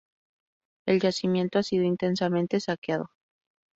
El yacimiento ha sido intensamente saqueado.